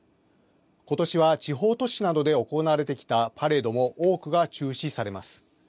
ことしは地方都市などで行われてきたパレードも多くが中止されます。